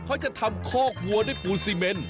เขาจะทำคอกวัวด้วยปูนซีเมน